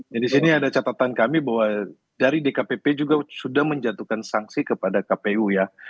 dan di sini ada catatan kami bahwa dari dkpp juga sudah menjatuhkan sanksi kepada kpu ya